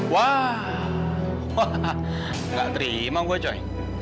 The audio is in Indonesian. wah gak terima gue coy